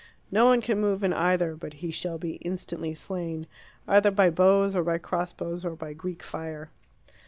No one can move in either but he shall be instantly slain, either by bows or by crossbows, or by Greek fire.